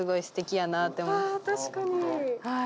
あ確かに。